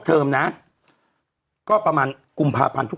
เราก็มีความหวังอะ